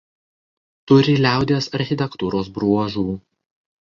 Turi liaudies architektūros bruožų.